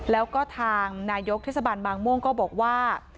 แล้วก็ทางนายกเทศบาลบางม่วงก็บอกว่า